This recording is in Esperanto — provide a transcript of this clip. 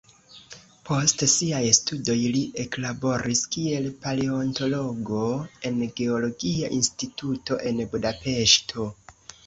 Post siaj studoj li eklaboris kiel paleontologo en geologia instituto en Budapeŝto.